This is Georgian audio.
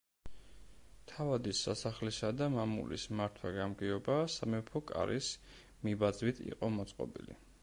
თავადის სასახლისა და მამულის მართვა-გამგეობა სამეფო კარის მიბაძვით იყო მოწყობილი.